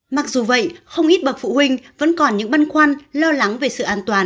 mặc dù vậy không ít bậc phụ huynh vẫn còn những băn khoăn lo lắng về sự an toàn